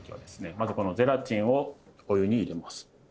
まずこのゼラチンをお湯に入れます。